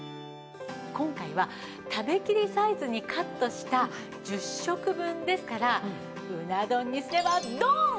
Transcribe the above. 今回は食べきりサイズにカットした１０食分ですからうな丼にすればドン！